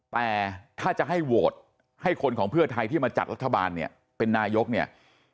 แต่ถ้าจะให้โหวตให้คนของเพื่อไทยที่มาจัดรัฐบาลเนี่ยเป็นนายกเนี่ย